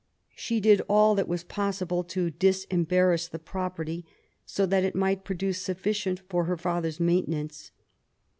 She did all that was possible to disembarrass the property^ so that it might produce sufficient for her father's maintenance.